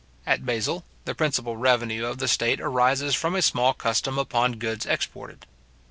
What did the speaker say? At Basil, the principal revenue of the state arises from a small custom upon goods exported.